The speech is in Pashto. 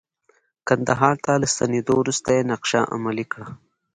کندهار ته له ستنیدو وروسته یې نقشه عملي کړه.